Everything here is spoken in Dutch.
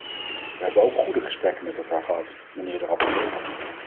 We hebben ook goede gesprekken met elkaar gehad, mijnheer de rapporteur.